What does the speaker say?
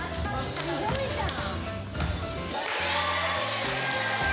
・すごいじゃん！